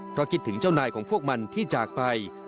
เพราะคิดถึงเจ้านายของพวกมันที่จากไป